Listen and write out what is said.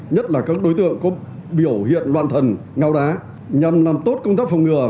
nhất là các đối tượng có biểu hiện loạn thần ngao đá nhằm làm tốt công tác phòng ngừa